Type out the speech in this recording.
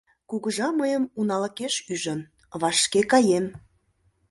— Кугыжа мыйым уналыкеш ӱжын, вашке каем.